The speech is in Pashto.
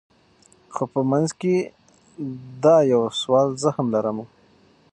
خو په منځ کي دا یو سوال زه هم لرمه